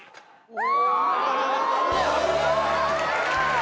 お！